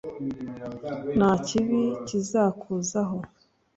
nta kibi kizakuzaho.